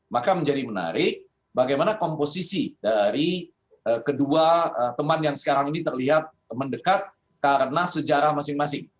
maka menjadi menarik bagaimana komposisi dari kedua teman yang sekarang ini terlihat mendekat karena sejarah masing masing